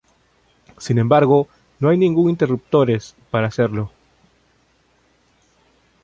Sin embargo, no hay ningún interruptores para hacerlo.